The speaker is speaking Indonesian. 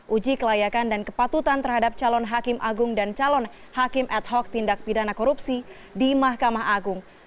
uji kelayakan dan kepatutan terhadap calon hakim agung dan calon hakim ad hoc tindak pidana korupsi di mahkamah agung